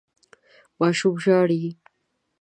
ماشوم ژاړي.